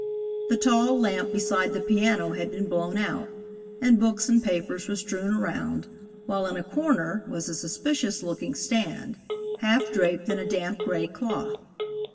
The tall lamp beside the piano had been blown out, and books and papers were strewn around, while in a corner was a suspicious looking stand, half draped in a damp gray cloth.